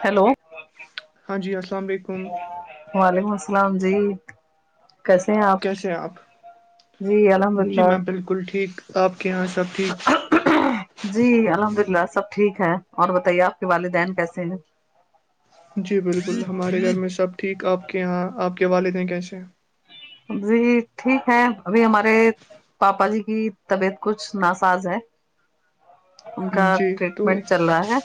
hello ہاں جی السلام علیکم وعلیکم السلام جی کیسے ہیں آپ کیسے ہیں آپ جی الحمد جی للہ میں بالکل ٹھیک آپ کے یہاں سب ٹھیک جی الحمد اللہ سب ٹھیک ہے اور بتائیے آپ کے والدین کیسے ہیں جی بالکل ہمارے گھر میں سب ٹھیک آپ کے یہاں آپ کے والد ہیں کیسے جی ٹھیک ہے ابھی ہمارے پاپا جی کی طبیعت کچھ ناساز ہے ان کا ہیں جی تو ٹریٹمنٹ چل رہا ہے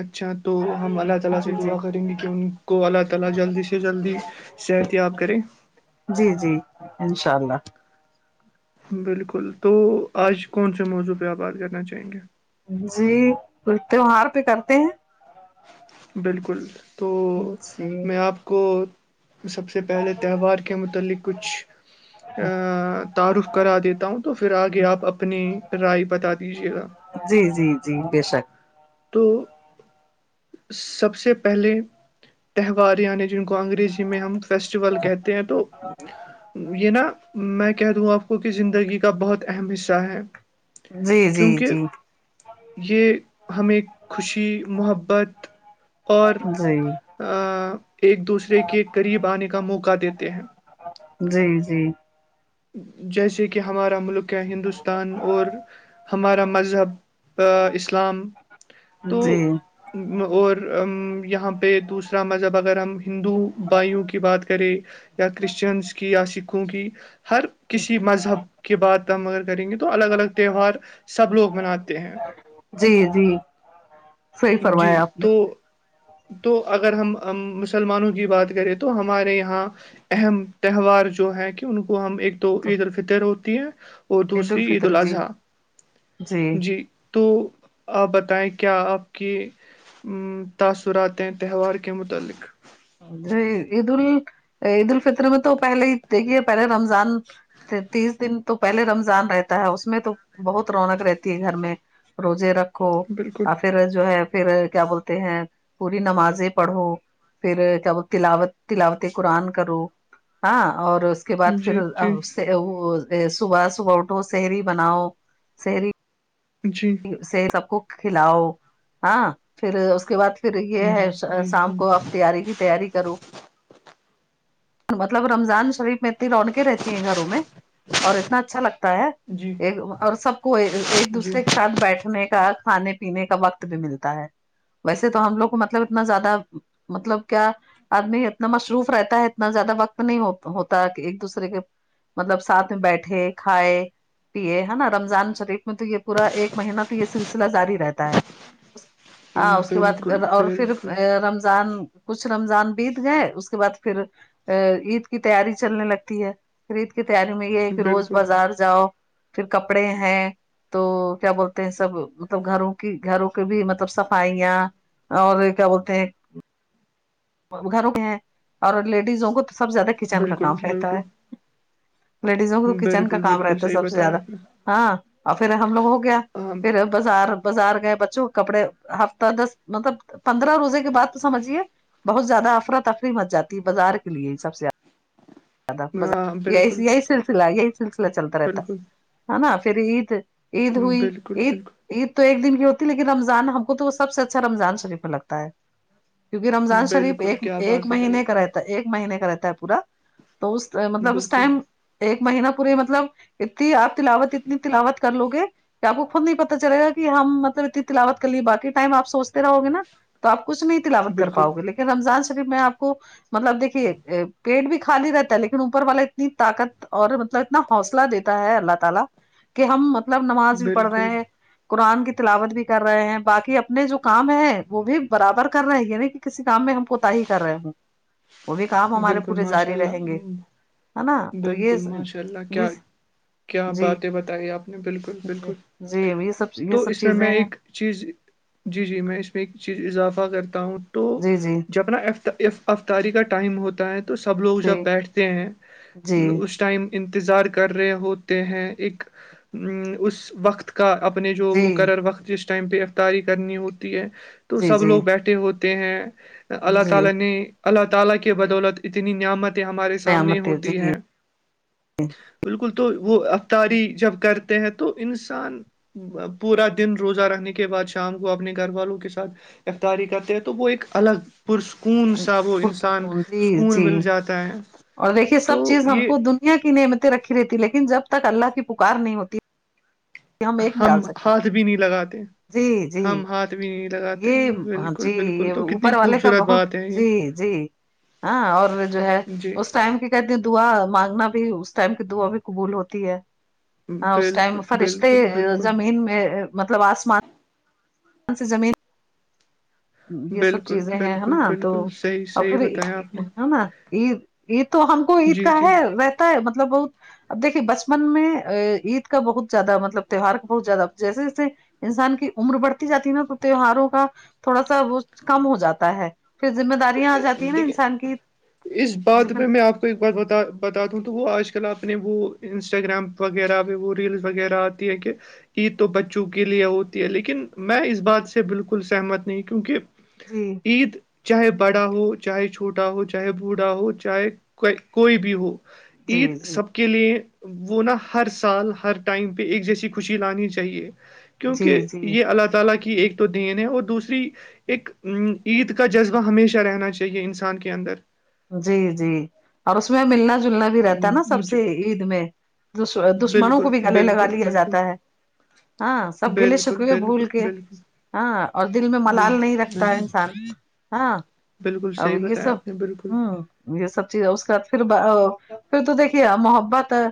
اچھا تو ہم اللہ تعالی ہے سے جی جی دعا کریں گے کی ان کو اللہ تعالی جلدی سے جلدی صحت یاب کرے جی جی انشاء اللہ بلکل تو آج کون سے موضوع پے آپ بات کرنا چاہیں گے جی کوئی تہوار پے کرتے ہیں بلکل تو جی میں آپ کو سب سے پہلے تہوار کے متعلق کچھ تعارف کرا دیتا ہوں تو پھر آگے آپ اپنی رائی بتا دیجیے گا جی جی جی بے شک تو سب پہلے تہوار یعنی جنکو انگریزی میں ہم فیسٹیول کہتے ہیں تو یے نا میں کہہ دوں آپ کو کی زندگی کا بہت اہم حصہ ہے جی جی کیونکہ جی یے ہمیں خوشی محبت اور جی جی آ ایک دوسرے کے قریب آنے کا موقع دیتے ہیں جی جی جیسے کی ہمارا ملک ہے ہندوستان اور ہمارا مذہب اسلام تو جی اور یہاں پے دوسرا مذہب اگر ہم ہندو بائھیوں کی بات کریں یا کرسچنس کی یا سکھوں کی ہر کسی مذہب کی بات ہم اگر کریں گے تو الگ الگ تہوار سب لوگ مناتے ہیں جی جی صحیح جی فرمایا آپ نے تو تو اگر ہم مسلمانوں کی بات کریں تو ہمارے یہاں اہم تہوار جو ہے کی ان کو ہم ایک تو عید الفطر ہوتی ہے اور دوسری عید الفطر جی الاضحی جی تو آپ بتائیں کیا آپ کی تاثرات ہیں تہوار کے متعلق جی عید ال عید الفطر میں تو پہلے ہی دیکھیے پہلے رمضان تیس دن تو پہلے رمضان رہتا ہے اس میں تو بہت رونق رہتی ہے گھر میں روزے رکھ کھو بالکل اور پھر جو ہے پھر کیا بولتے ہیں پوری نمازیں پڑھو پھر کیا بول تلاوت تلاوت قرآن کرو ہاں اور اس کے بعد پھر جی جی وہ صبح صبح اٹھو سہری بناؤ سہری جی سے سب کو کھلاؤ ہاں پھر اس کے بعد پھر یے ہے جی جی شام جی کو کی افتیاری کی تیاری کروں مطلب رمضان شریف میں اتنی رونقیں رہتی ہیں گھروں میں اور اتنا اچھا لگتا ہے جی ایک اور سب کو ایک جی دوسرے کے ساتھ بیٹھنے کا کھانے پینے کا وقت بھی ملتا ہے ویسے تو ہم لوگ کو مطلب اتنا زیادہ مطلب کیا آدمی اتنا مصروف رہتا ہے اتنا زیادہ وقت نہیں ہوتا کی ایک دوسرے کے مطلب ساتھ میں بیٹھے کھائے پیے ہے نا رمضان شریف میں تو یے پورا ایک مہینہ تو یے سلسلہ جاری رہتا ہے ہاں ام، اس کے بعد بالکل اور پھر بالکل رمضان کچھ رمضان بیت گئے اس کے بعد پھر عید کی تیاری چلنے لگتی ہے پھر عیدکی تیاری میں یے ہے کی روز بالکل بازار جاؤ پھر کپڑے ہیں تو کیا بولتے ہیں سب مطلب گھروں کی گھروں کے بھی مطلب صفائیاں اور کیا بولتے ہیں گھروں میں ہیں اور لیڈیزوں کو تو سب زیادہ کچن کا بالکل کام رہتا بالکل ہے لیڈیزوں کو کچن بالکل کا کام بالکل رہتا ہے صحیح سب سے بتایا زیادہ آپ نے ہاں اور پھر ہم لوگ کیا ہاں پھر بازار بازار گئے بچوں کپڑے ہفتہ دس مطلب پندرہ روزے کے بعد تو سمجھیے بہت زیادہ افرا تفری مچ جاتی ہے بازار کے لیے سب سے زیادہ ز ہاں بالکل یہی یہی سلسلہ یہی سلسلہ چلتا رہتا بالکل ہے نا پھر عید عید ہوئی بالکل عید بالکل عید تو ایک دن کی ہوتی ہے لیکن رمضان ہم کو تو وہ سب سے اچھا رمضان شریفہ لگتا ہے کیونکہ رمضان شریف بالکل ایک کیا بات ایک بتائی مہینے آپ کا نے رہتا ہے ایک مہینے کا رہتا ہے پورا تو اس مطلب اس بالکل ٹائم ایک مہینہ پوری مطلب اتنی آپ تلاوت اتنی تلاوت کر لو گے کہ آپ کو خود نہیں پتتا چلےا کہ ہم مطلب اتنی تلاوت کر لیے باقی ٹائم آ سوچتے رہو گے نا تو آپ کچھ نہیں تلاوت کر بالکل پاؤ گے لیکن رمضان شریف میں آپ کو مطلب دیکھیے پیٹ بھی خالی رہتا ہے لیکن اوپر والا اتنی طاقت اور مطلب اتنا حوصلہ دیتا ہے اللہ تعالی کہ ہم مطلب نماز بھی پڑھ رہے بالکل ہیں قرآن کی تلاوت بھی کر رہے ہیں باقی اپنے جو کام ہے وہ بھی برابر کر رہے ہیں نہیں کہ کسی کام میں ہم کوتا ہی کر رہے ہ بالکل ماشاء رہیں اللہ گے ہے نا ہ تو یہ بالکل ماشاء اللہ کیا یہ ہے کیا جی باتیں بتائی آپ نے بالکل جی بالکل جی یہ سب یہ تو سب اس میں چیزیں میں ہیں ایک چیز جی جی میں اس میں ایک چیز اضافہ کرتا ہوں تو جی جی جب ن افطاری کا ٹائم ہوتا ہے تو سب لوگ جی جب بیٹھتے ہیں جی اس ٹائم انتظار کر رہے ہوتے ہیں ایک ا اس وقت کا اپنے جو جی مقرر وقت جس ٹائم پہ افطاری کرنی ہوتی ہے تو جی سب جی لوگ بیٹھے ہوتے ہیں اللہ جی تعالی نے اللہ تعالی کی بدولت اتنی نعمت ہمارے سامنے نعمت ہوتی جی ہے بالکل تو وہ افطاری جب کرتے ہیں تو انسان پورا دن روزہ رکھ کے بعد شام کو اپنے گھر والوں کے ساتھ افطاری کرتے ہیں تو وہ ایک الگ پرسکون سا وہ انسان پرسکون جی سکون جی مل جاتا ہے اور دیکھیے تو سب چیز ہم یہ کو دنیا کی نعمتیں رکھی رہتی لیکن جب تک اللہ کی پکار نہیں ہوتی ایک ہم نکال سکتے ہاتھ بھی نہیں لگاتے جی جی ہم ہاتھ بھی نہیں لگاتے یہ بالکل جی بالکل یہ تو اوپر کتنی والے کا خوبصورت بہت بات ہے جی یہ جی ہاں اور جو ہے جی اس ٹائم کی کہتی ہیں دعا مانگنا بھی اس ٹائم کی دعا بھی قبول ہوتی ہے ہاں اس ٹائم بالکل فرش بالکل بالکل میں مطلب آسمان سے زمین یہ سب بالکل چیزیں ہیں بالکل نا تو بالکل صحیح اور صحیح پھر بتایا آپ نے ہے نا عید عید تو ہم کو عید جی کا جی ہے رہتا ہے مطلب بہت اب دیکے بچپن میں عید کا بہت زیادہ مطلب تیوہار کا بہت زیادہ جیسے جیسے انسان کی عمر بڑھتی جاتی ہے نا تو تیوہاروں کا تھوڑا سا وہ کم ہو جاتا ہے پھر ذمہ داریاں آ جاتی ہیں نا دیکھیے انسان کی کوئی ایک بات بتا بتاتا ہوں تو وہ آج کل آپ نے وہ انسٹاگرام وغیرہ پہ وہ ریلس وغیرہ ہے کہ عید تو بچوں کے لیے ہوتی ہے لیکن میں اس بات سے بالکل سہمت نہیں کیونکہ جی عید چاہے بڑا ہو چاہے چھوٹا ہو چاہے بوڑھا ہو چاہے کوئی بھی ہو عید جی جی سب کے کے لیے وہ نا ہر سال ہر ٹائم پہ ایک جیسی خوشی لانی چاہیے جی کیونکہ جی یہ اللہ تعالی کی ایک تو دین ہے اور دوسری ایک ا عید کا جذب ہمیشہ رہنا چاہیے انسان کے اندر جی جی اور اس میں ملنا جو جلنا بھی رہتا ہے نا سب مجھ سے عید میں دشمنوں کو بالکل بھی گلے لگا بالکل لیا بالکل جاتا ہے ہاں سب گلے بالکل شکوے بھول بالکل کے بالکل ہاں اور دل میں ملال نہیں بالکل رکھتا ہے انسان ہاں بالکل بالکل اب صحیح یہ بتایا سب آپ نے بالکل یہ سب چیز اس کے بعد پھر پھر تو دیکھیے محبت ہے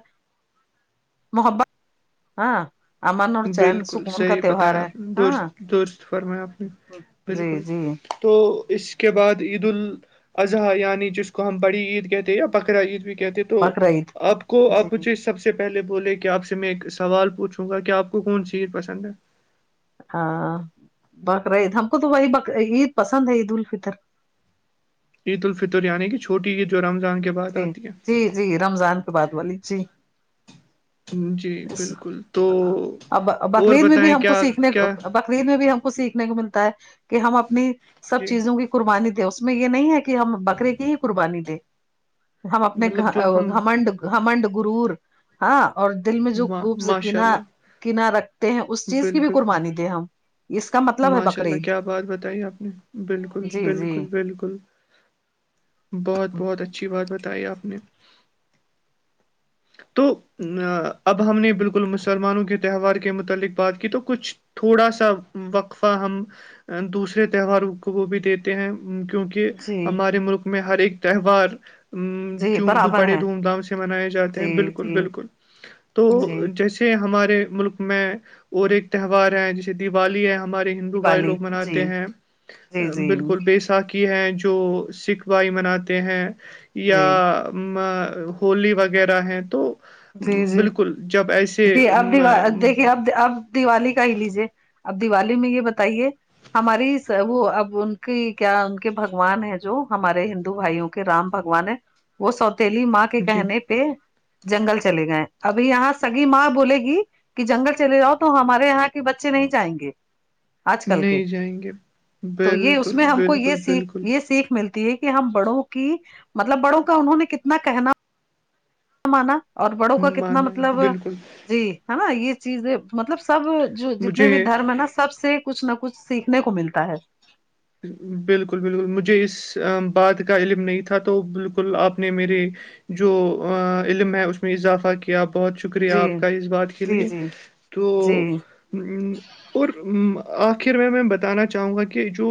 محبت ہاں امن اور چین بالکل سکون کا صحیح تہوہار بتایا ہے آپ نے ہاں درست درست فرمایا آپ نے جی بالکل جی تو اس کے بعد عیدال اضحی یعنی جس کو ہم بڑی عید کہتے ہیں یا بکرا عید بھی کہتے تو بقرعید آپ کو جی آپ مجھے سب سے پہلے بولے کہ آپ سے میں ایک سوال پچوں گا کہ آپ کو کونسی عید پسند ہے ہاں بکراعید ہم کو تو وہی بر عید پسند ہے عید الفطر عید الفطر یعنی کہ چھوٹی عید جو رمضان کے بعد جی آتی ہے جی جی رمضان کے بعد والی جی جی بالکل تو اب اور بکری عید میں بھی بتائیں ہم کو کیا سیکھنے کو کیا ب بکر عید میں بھی ہم کو سیکھنے کو ملتا ہے کہ ہم اپنی سب جی چیزوں کی قربانی دے اس میں یہ نہیں ہے کہ ہم بکرے کی ہی قربانی دیں ہم اپنے گ مطلب جو ہم گھمنڈ گھمنڈ گرور ہاں اور دل میں جو گوبز ماشاء کناا اللہ کنا رکھتے ہیں اس چیز کی بھی قربانی دیں ہم اس کا مطلب ہے ماشاءاللہ بقرعید کیا بات بتائی آپ نے بالکل جی جی بالکل بالکل بہت بہت اچھی بات بتائی آپ نے تو اب ہم نے بالکل مسلمانوں کے تہوار کے متعلق بات کی تو کچھ تھوڑا سہ وقفہ ہم دوسرے تہواروں کو بھی دیتے ہیں کیونکہ جی ہمارے ملک میں ہر ایک تہوار جی جوم برابر بڑے ہے دھوم دھام سے منائے جاتے ہیں جی بالکل جی بالکل تو جی جیسے ہمارے ملک میں اور ایک تہوار ہیں جیسے دیوالی ہے ہمارے ہندو بھائی دیوالی لوگ جی مناتے ہیں جی جی بالکل بیےساکھی کی ہیں جو سکھ بھائی مناتے ہیں یا جی ہولی وغیرہ ہیں تو جی جی بالکل جب ایسے جی اب دیکھیے اب اب دیوالی کا ہی لیجئے اب دیوالی میں یہ بتائیے ہماری وہ اب ان کی کیا ان کے بگوان ہے جو ہمارے ہندو بھائیوں کے رام بگوان ہے وہ سوتیلی ماں کے جی کہنے پہ جنگل چلے گئے ابھی یہاں سگی ماں بولے گی کہ جنگل چلے جاؤ تو ہمارے یہاں کے بچے نہیں جائیں گے آج کل کے نہیں جائیں گے تو یہ اس بالکل میں ہم کو یہ بالکل سیکھ بالکل یہ سیکھ ملتی کہ ہم بڑوں کی مطلب بڑوں کا انہوں نے کتنا کہنا مانا اور بڑوں کا کتنا مانا ہے مطلب بالکل جی ہے نا یہ چیزیں مطلب سب جو جتنے بھی مجھے دھرم ہے نا سب سے کچھ نہ کچھ سیکھنے کو ملتا ہے بالکل بالکل مجھے اس بات کا علم نہیں تھا تو بالکل آپ نے میرے جو علم ہے اس میں اضافہ کیا کیا بہت شکریہ جی آپ کا اس بات کے جی لیے جی تو جی اور آخر میں میں بتانا چاہوں گا کہ جو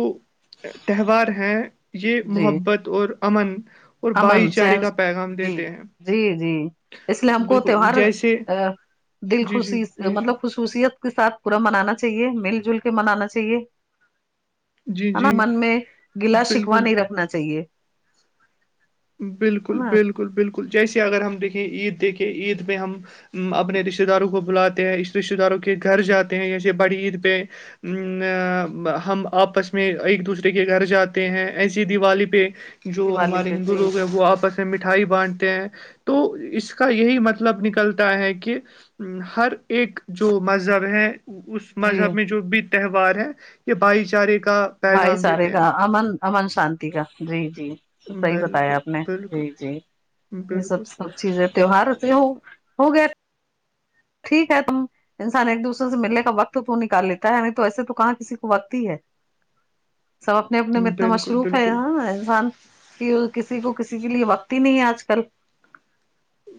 تہوار ہیں یہ جی محبت اور امن اور امن بھائی چارے چین کا پیغام جی دیتے ہیں جی جی اس لیے ہم کو بالکل تیوار جیسے ا دل جی جی خوشی جی جی مطلب خصوصیت کے ساتھ پورا منانا چاہیے مل جل کے منانا چاہیے جی ہے نہ جی من میں گلا شکوا بالکل نہیں رکھنا چاہیے ہے بالکل نا بالکل بالکل جیسے اگر ہم دیکھیں عید دیکھے عید میںہ ہم اپنے رشتتے داروں کو بلاتے ہیں اس رشتتے داروں کے گھر جاتے ہیں جیسے بڑی عید پہ ا ہم آپس میں ایک دوسرے کے گھر جاتے ہیں ایسی دیوالی پہ جو دیوالی ہمارے پہ جی لوگ وہ آپس میں مٹھائی باٹتے ہیں تو اس کا یہی مطلب نکلتا ہے کہ ہر ایک جو مذہب ہے اس جی مذہب میں جو بھی تہوار ہے یہ بھائی چارے کا بھائی پیغام سارے دیتے ہیں کا امن امن شانتی کا جی جی تو صحیح بالکل بتایا آپ نے بالکل جی جی یہ سب بالکل سب چیزیں تہوار ایسے ہو ہو گیا ٹھیک ہے تم انسان ایک دوسرے سے ملنے کا وقت تو نکال لیتا ہے نہیں تو ایسے تو کہاں کسی کو وقت ہی ہے سب اپنے اپنے میں اتنا بالکل مصروف ہے بالکل ہاں انسان کہ کسی کو کسی کے لیے وقت ہی نہیں ہے آج کل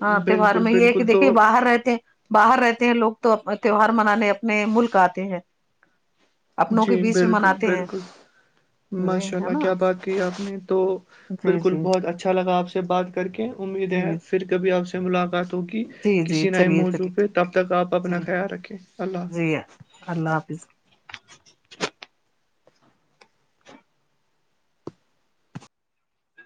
ہاں تہوار بالکل میں یہ ہے کہ بالکل دیکھیے تو باہر رہتے ہیں باہر رہتے ہیں لوگ تو تہوار منانے اپنے ملک آتے ہیں اپنوں جی کے بیچ میں بالکل مناتے ہیں بالکل جی ماشاء ہے اللہ نا کیا بات کی آپ نے تو جی بالکل جی بہت اچھا لگا آپ سے بات کر کے امید ہے جی پھر کبھی آپ سے ملاقات ہوگی جی جی کسی نئے چلیے موضوع چلیے پہ تب تک آپ اپنا جی خیال رکھیں اللہ جی اللہ حافظ